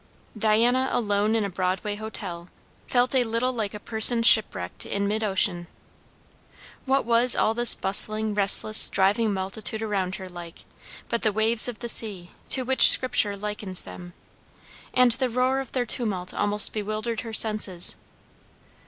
Diana alone in a Broadway hotel, felt a little like a person shipwrecked in mid ocean. What was all this bustling, restless, driving multitude around her like, but the waves of the sea, to which Scripture likens them? and the roar of their tumult almost bewildered her senses.